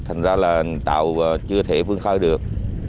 thành ra là tàu chưa thể vươn khơi được